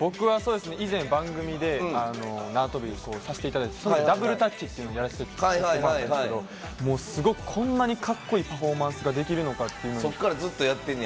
僕は、以前番組でなわとびをさせていただいてダブルダッチというのをやらせてもらったんですけどもう、すごくこんなにかっこいいパフォーマンスができるのかっていうのに。